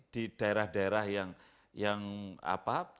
di daerah daerah yang total fertility